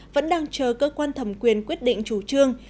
vẫn đang chờ cơ quan thẩm quyền quyết định chủ trương